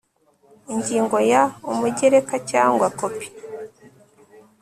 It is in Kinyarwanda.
ingingo ya umugereka cyangwa kopi